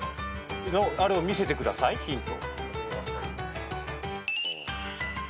見せてくださいヒント。